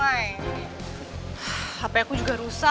baik lah fa